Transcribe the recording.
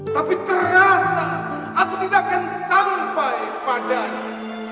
tapi terasa aku tidakkan sampai padanya